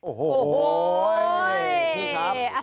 โอ้โหนี่ครับ